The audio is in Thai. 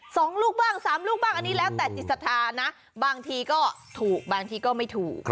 สองลูกบ้างสามลูกบ้างอันนี้แล้วแต่จิตศรัทธานะบางทีก็ถูกบางทีก็ไม่ถูก